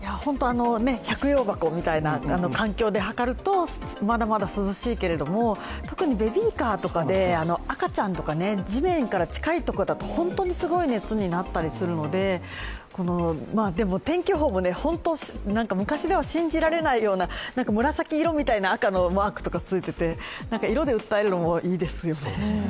百葉箱みたいな環境ではかると、まだまだ涼しいけれども、特にベビーカーとかで、赤ちゃんとか地面から近いところだと本当にすごい熱になったりするのででも、天気予報も昔では信じられないような、紫色みたいな赤のマークとかついてて色で訴えるのもいいですよね。